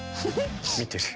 見てる。